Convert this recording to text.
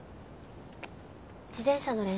自転車の練習？